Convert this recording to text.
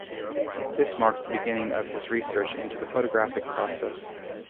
This marked the beginning of his research into the photographic process.